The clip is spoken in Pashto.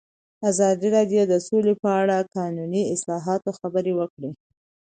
ازادي راډیو د سوله په اړه د قانوني اصلاحاتو خبر ورکړی.